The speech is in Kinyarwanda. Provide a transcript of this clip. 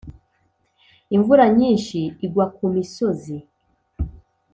Imvura nyinshi igwa ku misozi.